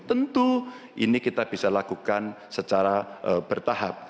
tentu ini kita bisa lakukan secara bertahap